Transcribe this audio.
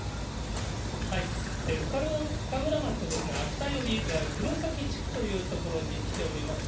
深浦町の秋田寄り、くろさき地区という所に来ております。